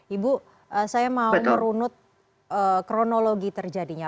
ibu saya mau merunut kronologi terjadinya